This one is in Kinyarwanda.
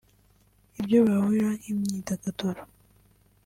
Ibyo bahuriraho nk’imyidagaduro